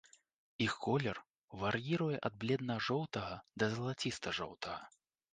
Іх колер вар'іруе ад бледна-жоўтага да залаціста-жоўтага.